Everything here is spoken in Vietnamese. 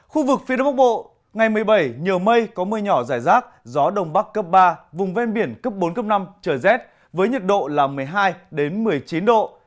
khu vực phía đất bắc bộ ngày một mươi bảy nhờ mây có mưa nhỏ dài rác gió đông bắc cấp ba vùng ven biển cấp bốn cấp năm trở rét với nhật độ là một mươi hai đến một mươi chín độ